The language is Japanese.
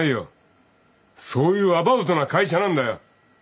そういうアバウトな会社なんだよ。